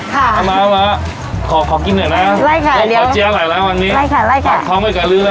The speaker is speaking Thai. ค่ะเอาล่ะขอกินหน่อยนะได้ค่ะเดี๋ยวขอเจี๊ยวอะไรแล้ววันนี้ได้ค่ะได้ค่ะ